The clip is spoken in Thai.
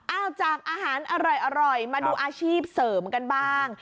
เอาจากอาหารอร่อยมาดูอาชีพเสริมกันบ้าง